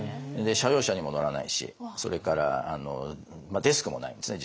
社用車にも乗らないしそれからデスクもないんですね実は。